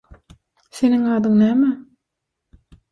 Seniň adyň näme?